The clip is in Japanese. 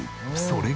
それ」